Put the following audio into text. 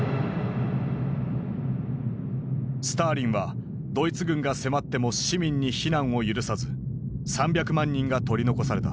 スターリンはドイツ軍が迫っても市民に避難を許さず３００万人が取り残された。